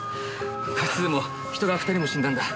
過失でも人が２人も死んだんだ。